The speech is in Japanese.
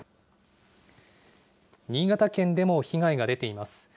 新潟県でも被害が出ています。